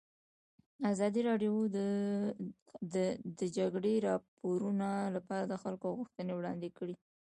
ازادي راډیو د د جګړې راپورونه لپاره د خلکو غوښتنې وړاندې کړي.